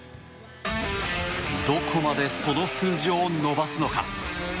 どこまでその数字を伸ばすのか。